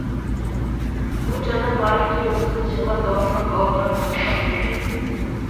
بۇ چاغدا مارى تۇيۇقسىز يىغلاپ داۋاملىق ئالدىغا مېڭىشقا ئۇنىمىدى.